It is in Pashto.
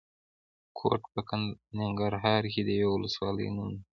کوټ په ننګرهار کې د یوې ولسوالۍ نوم دی.